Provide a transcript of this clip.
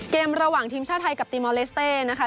ระหว่างทีมชาติไทยกับตีมอลเลสเต้นะคะ